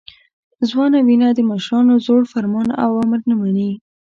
ځوانه وینه د مشرانو زوړ فرمان او امر نه مني.